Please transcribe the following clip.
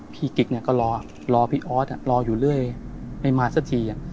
กิ๊กเนี่ยก็รอพี่ออสรออยู่เรื่อยไม่มาสักที